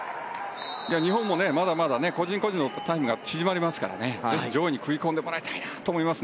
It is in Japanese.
日本もまだまだ個人個人のタイムが縮まりますから上位に食い込んでもらいたいなと思います。